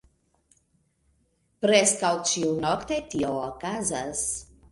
Preskaŭ ĉiunokte tio okazis.